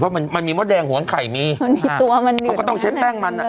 เพราะมันมีมดแดงหัวขังไข่มีมันมีตัวมันเหนื่อยตรงไหนมันเหนื่อยตรงไหน